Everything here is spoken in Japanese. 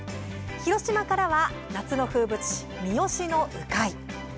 広島からは、夏の風物詩三次の鵜飼い。